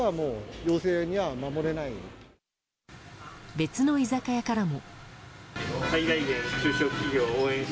別の居酒屋からも。